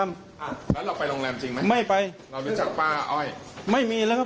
เอาไปลงแรมจริงไม่ไปไปอ้อนนี้แล้ว